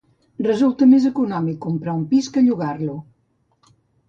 Resulta més econòmic comprar un pis que llogar-lo